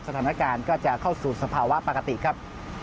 สถานการณ์ก็จะเข้าสู่สภาวะปกติครับ